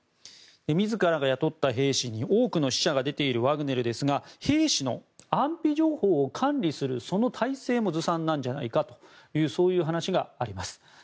自らが雇った兵士に多くの死者が出ているワグネルですが兵士の安否情報を管理するその体制もずさんなんじゃないかという話があります。